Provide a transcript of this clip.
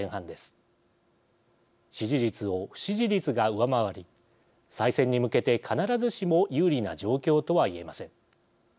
支持率を不支持率が上回り再選に向けて必ずしも有利な状況とは言えません。